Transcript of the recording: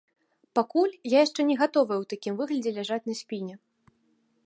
Пакуль яшчэ я не гатовая ў такім выглядзе ляжаць на спіне.